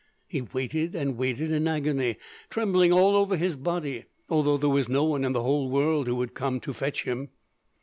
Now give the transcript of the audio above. He waited and waited in agony, trembling all over his body, although there was no one in the whole world who would come to fetch him.